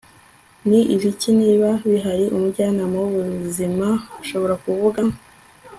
ni ibiki niba bihari umujyanama w ubuzima ashobora kuvuga